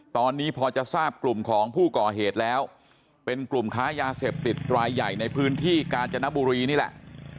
ตอนนี้พอจะทราบกลุ่มของผู้ก่อเหตุแล้วเป็นกลุ่มค้ายาเสพติดรายใหญ่ในพื้นที่กาญจนบุรีนี่แหละ